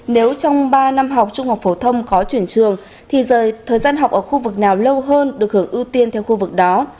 nếu trong ba năm học trung học phổ thông khó chuyển trường thì thời gian học ở khu vực nào lâu hơn được hưởng ưu tiên theo khu vực đó